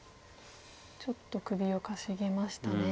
ちょっと首をかしげましたね。